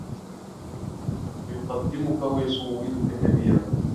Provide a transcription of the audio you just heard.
وَيُقَدِّمُك وَيُسَوِّدُك كَبِيرًا